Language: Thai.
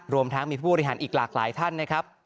รวมทั้งมีผู้บริหารอีกหลากหลายท่านนะครับ